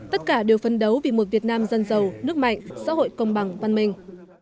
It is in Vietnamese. tất cả đều phân đấu vì một việt nam dân giàu nước mạnh xã hội công bằng văn minh